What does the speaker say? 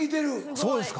そうですか。